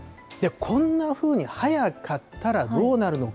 こんなふうに早かったらどうなるのか。